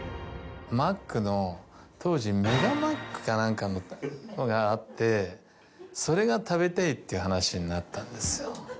当時メガマックか何かがあってそれが食べたいって話になったんですよ。